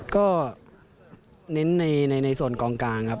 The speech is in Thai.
ก็เน้นในส่วนกองกลางครับ